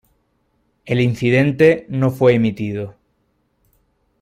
El incidente no fue emitido.